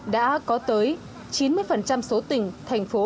đã có tới chín mươi số tỉnh thành phố